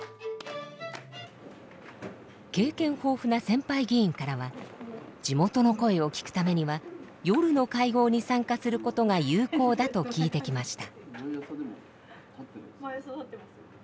経験豊富な先輩議員からは地元の声を聞くためには夜の会合に参加することが有効だと聞いてきました。